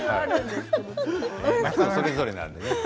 それぞれなのでね。